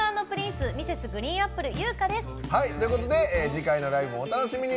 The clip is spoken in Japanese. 次回のライブもお楽しみに。